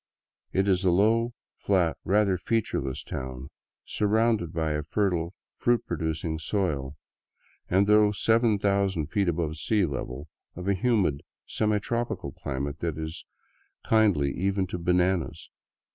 It is a low, flat, rather featureless town, surrounded by a fertile, fruit producing soil, and though 7000 feet above sea level, of a humid, semi tropical climate that is kindly even to bananas.